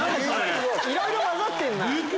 いろいろ交ざってんな。